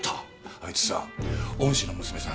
あいつさ恩師の娘さん